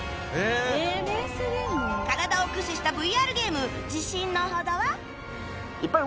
体を駆使した ＶＲ ゲーム自信のほどは？